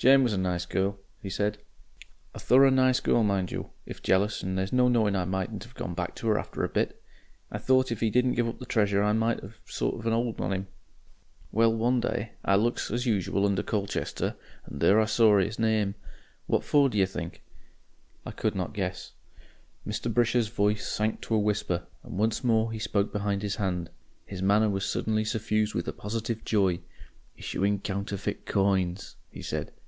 "Jane was a nice girl," he said, "a thorough nice girl mind you, if jealous, and there's no knowing I mightn't 'ave gone back to 'er after a bit. I thought if he didn't give up the treasure I might 'ave a sort of 'old on 'im.... Well, one day I looks as usual under Colchester and there I saw 'is name. What for, d'yer think?" I could not guess. Mr. Brisher's voice sank to a whisper, and once more he spoke behind his hand. His manner was suddenly suffused with a positive joy. "Issuing counterfeit coins," he said.